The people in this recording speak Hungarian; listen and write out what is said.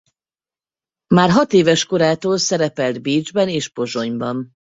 Már hatéves korától szerepelt Bécsben és Pozsonyban.